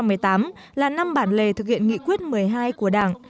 năm hai nghìn một mươi tám là năm bản lề thực hiện nghị quyết một mươi hai của đảng